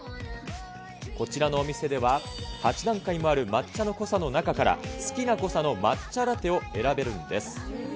こちらのお店では、８段階もある抹茶の濃さの中から、好きな濃さの抹茶ラテを選べるんです。